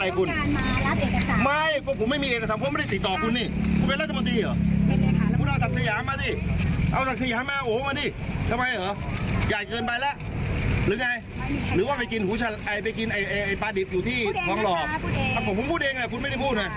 ลองดูอะไรผมปากนี้เดี๋ยวผมบ้วนให้ก็ได้ผมบ้วนให้ดู